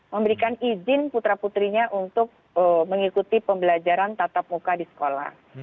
memberikan izin putra putrinya untuk mengikuti pembelajaran tatap muka di sekolah